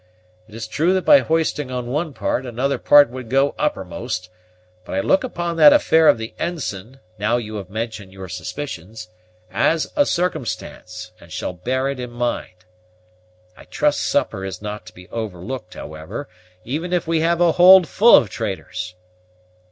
It is true that by hoisting on one part, another part would go uppermost; but I look upon that affair of the ensign, now you have mentioned your suspicions, as a circumstance, and shall bear it in mind. I trust supper is not to be overlooked, however, even if we have a hold full of traitors."